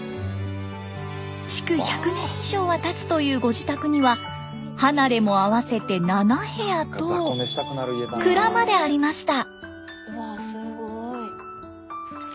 築１００年以上はたつというご自宅には離れも合わせて７部屋と蔵までありました。